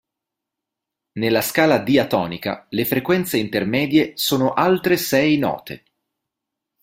Nella scala diatonica, le frequenze intermedie sono altre sei note.